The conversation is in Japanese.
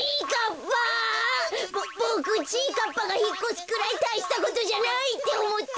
かっぱがひっこすくらいたいしたことじゃないっておもってた。